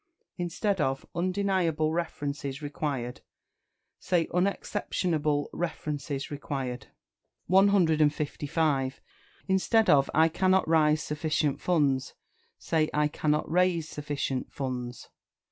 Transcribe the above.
Instead of "Undeniable references required," say "Unexceptionable references required." 155. Instead of "I cannot rise sufficient funds," say "I cannot raise sufficient funds."